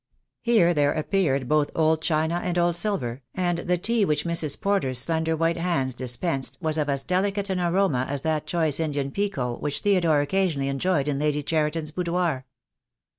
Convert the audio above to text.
Here there appeared both old china and old silver, and 122 THE DAY WILL COME. the tea which Mrs. Porter's slender white hands dispensed was of as delicate an aroma as that choice Indian pekoe which Theodore occasionally enjoyed in Lady Cheriton's boudoir.